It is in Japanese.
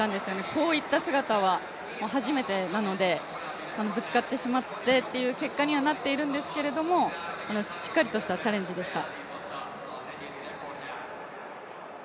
こういった姿は初めてなので、ぶつかってしまってという結果にはなっているんですけれども、しっかりとしたチャレンジでした。